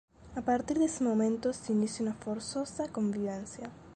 A partir de ese momento se inicia una forzosa convivencia.